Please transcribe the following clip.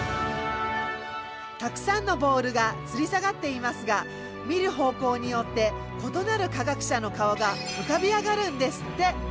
たくさんのボールがつり下がっていますが見る方向によって異なる科学者の顔が浮かび上がるんですって。